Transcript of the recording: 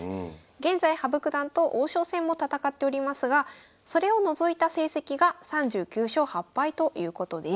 現在羽生九段と王将戦も戦っておりますがそれを除いた成績が３９勝８敗ということです。